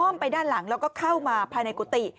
ไปด้านหลังแล้วก็เข้ามาภายในกุฏิ